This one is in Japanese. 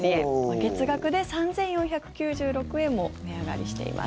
月額で３４９６円も値上がりしています。